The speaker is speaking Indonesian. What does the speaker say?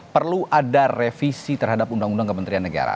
perlu ada revisi terhadap undang undang kementerian negara